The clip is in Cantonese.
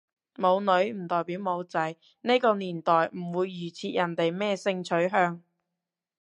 冇女唔代表冇仔，呢個年代唔會預設人哋咩性取向